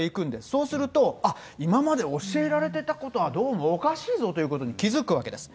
そうすると、あっ、今まで教えられてたことは、どうもおかしいぞということに気付くわけです。